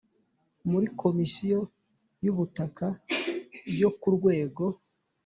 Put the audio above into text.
muri Komisiyo y ubutaka yo ku rwego